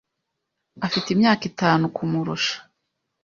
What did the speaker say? Afite imyaka itanu kumurusha.